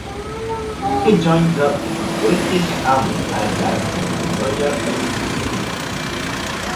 He joined the British Army as was in the Royal Engineers.